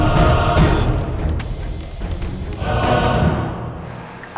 aku akan menang